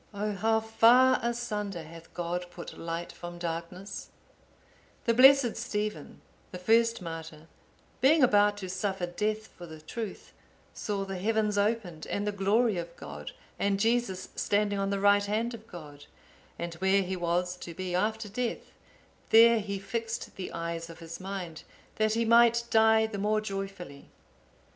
(850) Oh how far asunder hath God put light from darkness! The blessed Stephen, the first martyr, being about to suffer death for the truth, saw the heavens opened, and the glory of God, and Jesus standing on the right hand of God;(851) and where he was to be after death, there he fixed the eyes of his mind, that he might die the more joyfully.